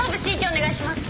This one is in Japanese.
お願いします。